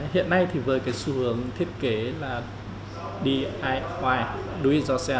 hiện nay thì với cái xu hướng thiết kế là diy